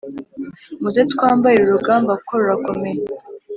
Muze twambarire urugamba kuko rurakomeye